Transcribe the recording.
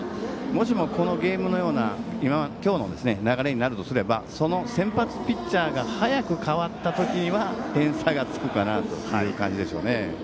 もしもこのゲームのような今日の流れになるとすれば先発ピッチャーが早く代わった時には点差がつくかなという感じでしょうね。